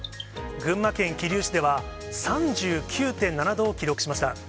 群馬県桐生市では、３９．７度を記録しました。